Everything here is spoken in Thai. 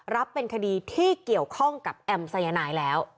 รับเป็นคดีที่เกี่ยวข้องกับแอมสายนายแล้ว